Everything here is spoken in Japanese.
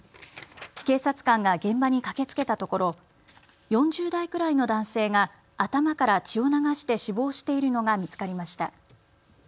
警察官が現場に駆けつけたところ４０代くらいの男性が頭から血を流して死亡しているのが見つかりました。